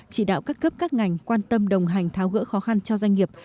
chỉ đạo các cấp các ngành quan tâm đồng hành tháo gỡ khó khăn cho doanh nghiệp